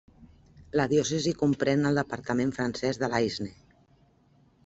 La diòcesi comprèn el departament francès de l'Aisne.